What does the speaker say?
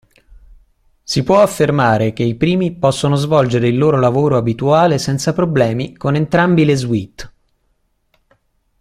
Si può affermare che i primi possono svolgere il loro lavoro abituale senza problemi con entrambe le suite.